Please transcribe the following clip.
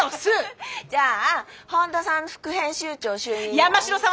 じゃあ本田さんの副編集長就任のお祝い。